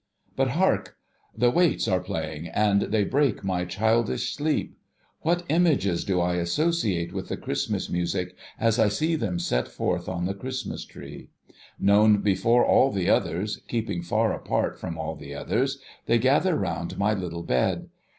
But hark ! The Waits are playing, and they break my childish 10 A CHRISTMAS TREE sleep ! What images do I associate with the Christmas music as I see them set forth on the Christmas Tree ? Known before all the others, keeping far apart from all the others, they gather round my little bed.